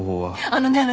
あのね